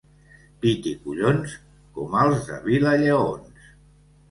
Pit i collons, com els de Vilalleons.